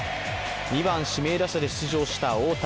２番・指名打者で出場した大谷。